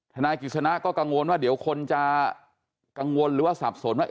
นายกิจสนะก็กังวลว่าเดี๋ยวคนจะกังวลหรือว่าสับสนว่า